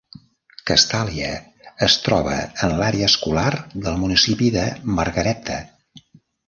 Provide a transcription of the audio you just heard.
Castalia es troba en l'àrea escolar del municipi de Margaretta.